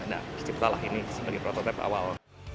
nah ciptalah ini sebagai prototipe awal